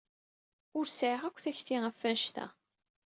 Ur sɛiɣ akk takti ɣef wanect-a.